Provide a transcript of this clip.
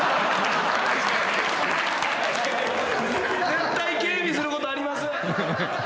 絶対警備することあります。